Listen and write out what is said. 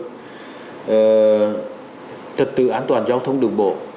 thứ hai là lĩnh vực trật tự an toàn giao thông đường bộ